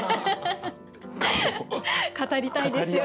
語りたいですよね。